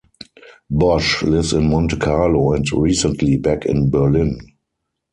Bosch lives in Monte Carlo and recently back in Berlin.